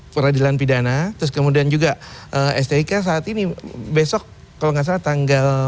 peradilan pidana terus kemudian juga stik saat ini besok kalau nggak salah tanggal sepuluh ini s dua dan